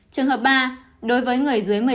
trường hợp ba đối với người dưới một mươi năm